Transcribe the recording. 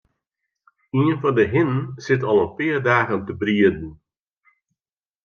Ien fan 'e hinnen sit al in pear dagen te brieden.